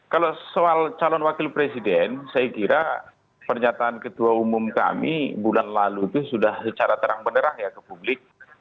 kalau soal calon wakil presiden saya kira pernyataan ketua umum kami bulan lalu itu sudah secara terang benerang ya ke publik